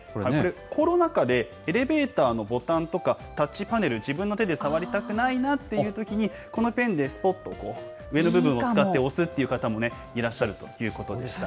コロナ禍でエレベーターのボタンとか、タッチパネル、自分の手で触りたくないなってときに、このペンですぽっとこう、上の部分を使って押すという方もいらっしゃるということでした。